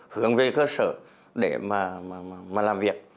hướng về cơ sở để mà làm việc